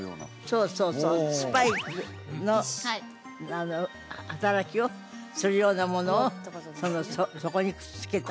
そうそうそうスパイクの働きをするようなものをっていうことですよね